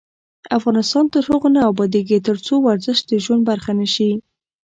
افغانستان تر هغو نه ابادیږي، ترڅو ورزش د ژوند برخه نشي.